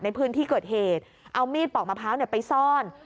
ในพื้นที่เกิดเหตุเอามีดปอกมะพร้าวไปซ่อน